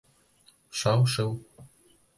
Шау-шыу.